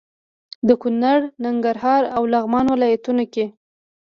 د کونړ، ننګرهار او لغمان ولايتونو کې